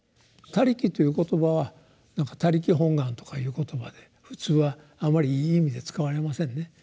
「他力」という言葉はなんか「他力本願」とかいう言葉で普通はあまりいい意味で使われませんね。